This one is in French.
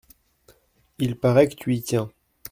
Il paraît que tu y tiens…